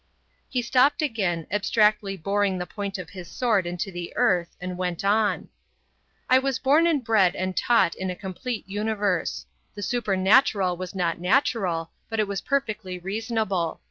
He stopped again, abstractedly boring the point of his sword into the earth, and went on: "I was born and bred and taught in a complete universe. The supernatural was not natural, but it was perfectly reasonable.